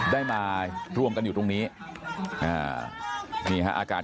ได้มาร่วมกันอยู่ตรงนี้